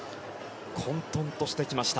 混沌としてきました